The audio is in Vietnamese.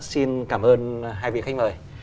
xin cảm ơn hai vị khách mời